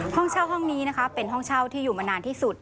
ห้องเช่าห้องนี้นะคะเป็นห้องเช่าที่อยู่มานานที่สุด